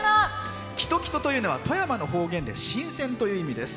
「きときと」というのは富山の方言で新鮮という意味です。